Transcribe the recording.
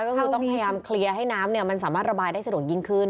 ก็คือต้องพยายามเคลียร์ให้น้ำมันสามารถระบายได้สะดวกยิ่งขึ้น